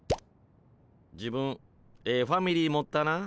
自分ええファミリー持ったな。